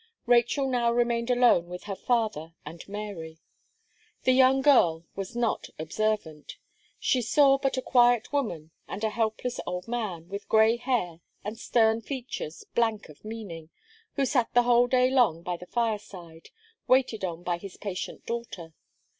Rachel now remained alone with her father and Mary. The young girl was not observant. She saw but a quiet woman, and a helpless old man, with grey hair, and stern features blank of meaning, who sat the whole day long by the fire side, waited on by his patient daughter.